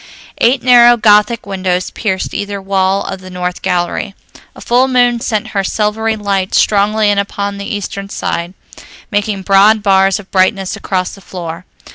Eight narrow Gothic windows pierced either wall of the north gallery. A full moon sent her silvery light strongly in upon the eastern side, making broad bars of brightness across the floor.